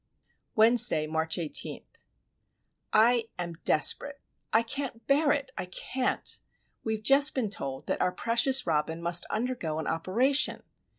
Wednesday, March 18. I am desperate. I can't bear it! I can't! We have just been told that our precious Robin must undergo an operation.